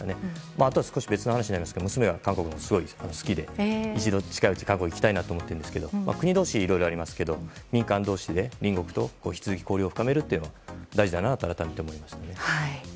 あと少し別の話になりますが娘は韓国がすごい好きで一度韓国に行きたいなと思ってるんですけど国同士はいろいろありますが民間同志で隣国と引き続き交流を深めるのは大事だなと思いました。